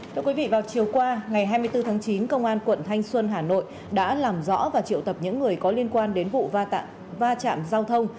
thưa quý vị vào chiều qua ngày hai mươi bốn tháng chín công an quận thanh xuân hà nội đã làm rõ và triệu tập những người có liên quan đến vụ va chạm giao thông